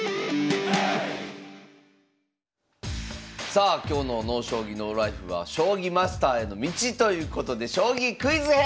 さあ今日の「ＮＯ将棋ＮＯＬＩＦＥ」は「将棋マスターへの道」ということで「将棋クイズ編」！